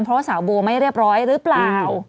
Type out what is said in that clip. เพราะว่าสาวโบไม่เรียบร้อยหรือเปล่า